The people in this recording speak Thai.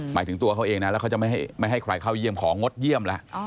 หมายถึงตัวเขาเองนะแล้วเขาจะไม่ให้ใครเข้าเยี่ยมของงดเยี่ยมแล้ว